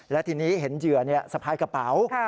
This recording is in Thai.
และทีนี้เห็นเหยื่อสะพายกระเป๋า